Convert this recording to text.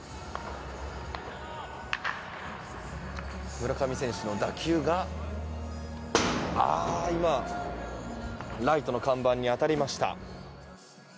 村上選手の打球が今ライトの看板に当たりました。